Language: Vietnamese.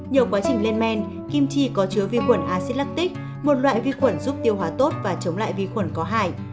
nhờ quá trình lên men kim chi có chứa vi khuẩn acid lacic một loại vi khuẩn giúp tiêu hóa tốt và chống lại vi khuẩn có hại